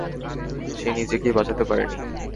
সে নিজেকেই বাঁচাতে পারেনি।